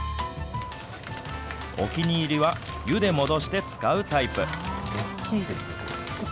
お気に入りは湯で戻して使うタイプ。